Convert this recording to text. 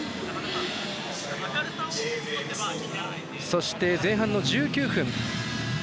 そして前半の１９分。